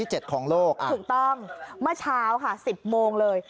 ใช่ค่ะค่ะถูกต้องมาเช้าค่ะ๑๐โมงเลย